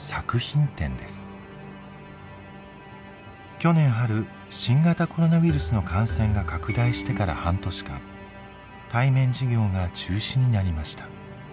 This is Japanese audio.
去年春新型コロナウイルスの感染が拡大してから半年間対面授業が中止になりました。